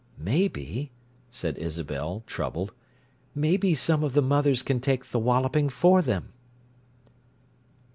"Maybe," said Isabel, troubled—"maybe some of the mothers can take the walloping for them."